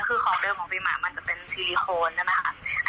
คือของเดิมของฟิลหมามันจะเป็นซีลิโคนใช่ไหมคะ